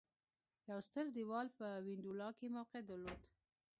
یو ستر دېوال په وینډولا کې موقعیت درلود